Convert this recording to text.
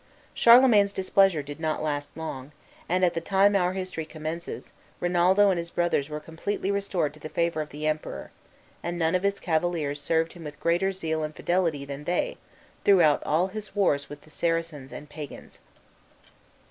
Charlemagne's displeasure did not last long, and, at the time our history commences, Rinaldo and his brothers were completely restored to the favor of the Emperor, and none of his cavaliers served him with greater zeal and fidelity than they, throughout all his wars with the Saracens and Pagans.